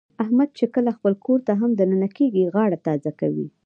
احمد چې کله خپل کورته هم د ننه کېږي، غاړه تازه کوي.